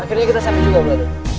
akhirnya kita sampai juga berarti